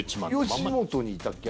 吉本にいたっけ？